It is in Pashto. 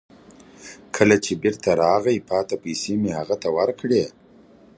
کله چې بیرته راغی، پاتې پیسې مې هغه ته ورکړې.